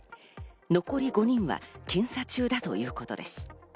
残り５人は検査中だということです。